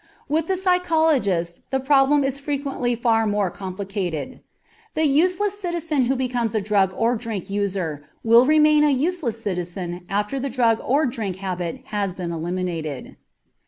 With the psychologist the problem is frequently far more complicated. The useless citizen who becomes a drug or drink user will remain a useless citizen after the drug or drink habit has been eliminated.